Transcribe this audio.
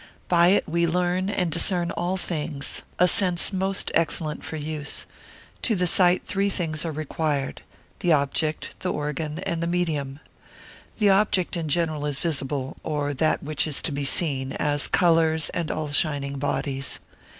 By it we learn, and discern all things, a sense most excellent for use: to the sight three things are required; the object, the organ, and the medium. The object in general is visible, or that which is to be seen, as colours, and all shining bodies.